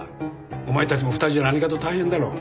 お前たちも２人じゃ何かと大変だろう？